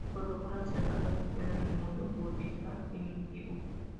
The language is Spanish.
Esto produjo una cierta confusión en el mundo budista primitivo.